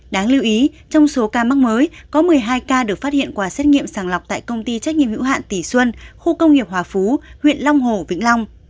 đáng lưu ý trong số ca mắc mới có một mươi hai ca được phát hiện qua xét nghiệm sàng lọc tại công ty trách nhiệm hữu hạn tỷ xuân khu công nghiệp hòa phú huyện long hồ vĩnh long